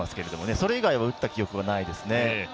それ以外、打った記憶ないです。